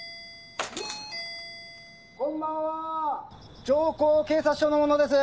こんばんは城甲警察署の者です！